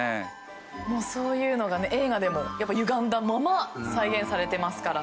そういうのが映画でもゆがんだまま再現されてますから。